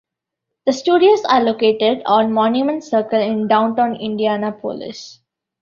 The studios are located on Monument Circle in downtown Indianapolis.